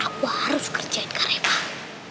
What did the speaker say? aku harus kerjain karyawan